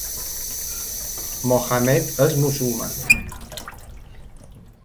Mohammed és musulmà.